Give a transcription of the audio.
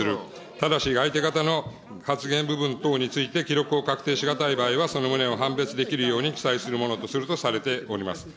ただし相手方の発言部分等について記録を確定し難い場合は、その旨を判別できるように記載するものとするとされております。